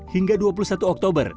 hingga dua puluh satu oktober